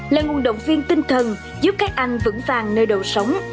là nguồn động viên tinh thần giúp các anh vững vàng nơi đầu sống